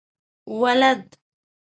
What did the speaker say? ولد؟